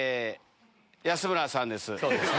安村さんです。